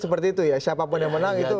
seperti itu ya siapapun yang menang itu